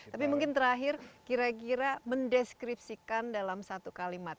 tapi mungkin terakhir kira kira mendeskripsikan dalam satu kalimat